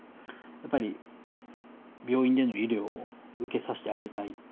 やっぱり病院での医療を受けさせてあげたい。